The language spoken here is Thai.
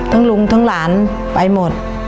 ทั้งหลวงทั้งหลานไปหมด